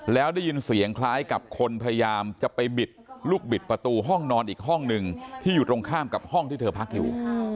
แล้วได้ยินเสียงคล้ายกับคนพยายามจะไปบิดลูกบิดประตูห้องนอนอีกห้องหนึ่งที่อยู่ตรงข้ามกับห้องที่เธอพักอยู่